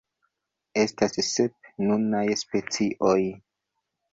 Estas sep nunaj specioj.